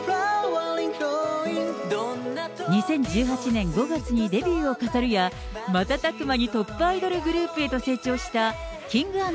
２０１８年５月にデビューを飾るや、瞬く間にトップアイドルグループへと成長したＫｉｎｇ＆Ｐｒｉｎｃｅ。